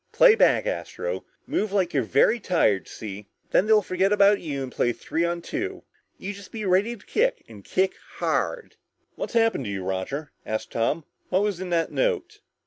Play back, Astro. Move like you're very tired, see? Then they'll forget about you and play three on two. You just be ready to kick and kick hard!" "What's happened to you, Roger?" asked Tom. "What was in that note?"